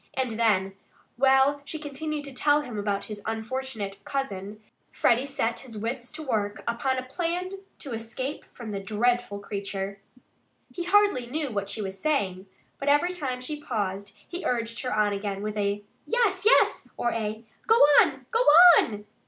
And then, while she continued to tell him about his unfortunate cousin, Freddie set his wits to work upon a plan to escape from the dreadful creature. He hardly knew what she was saying. But every time she paused he urged her on again with a "Yes, yes!" or a "Go on! Go on!"